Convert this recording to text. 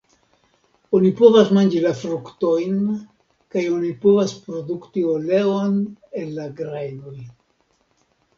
Oni povas manĝi la fruktojn kaj oni povas produkti oleon el la grajnoj.